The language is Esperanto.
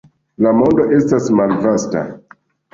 La mondo estas malvasta.